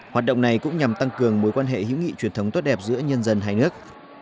hoạt động này cũng nhằm tăng cường mối quan hệ hữu nghị truyền thống tốt đẹp giữa nhân dân hai nước